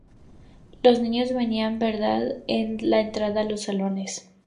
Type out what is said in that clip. Los niños tenían vedada la entrada a los salones.